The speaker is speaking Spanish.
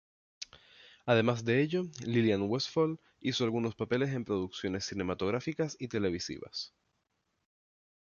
Además de ello, Lilian Westphal hizo algunos papeles en producciones cinematográficas y televisivas.